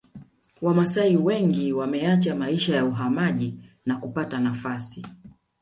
Wamasai wengi wameacha maisha ya wahamaji na kupata nafasi